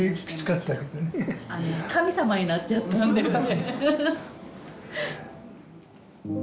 神様になっちゃったんだよね。